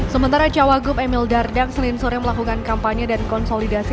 sementara cawagub emil dardak selinsur yang melakukan kampanye dan konsolidasi